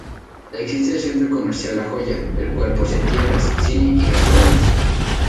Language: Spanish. Existe el centro comercial La Joya, el cual posee tiendas, cine y restaurantes.